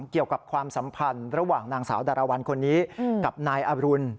ความสัมพันธ์ระหว่างนางสาวดารวรรณคนนี้กับนายอรุณ